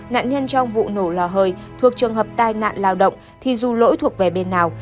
nạn nhân trong vụ nổ lò hơi thuộc trường hợp tai nạn lao động thì dù lỗi thuộc về bên nào